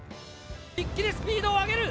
一気にスピードを上げる。